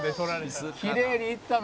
「きれいにいったな」